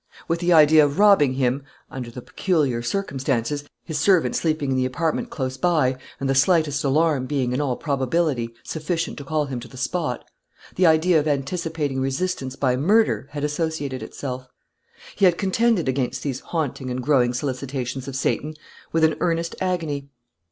With the idea of robbing him (under the peculiar circumstances, his servant sleeping in the apartment close by, and the slightest alarm being, in all probability, sufficient to call him to the spot) the idea of anticipating resistance by murder had associated itself. He had contended against these haunting and growing solicitations of Satan, with an earnest agony.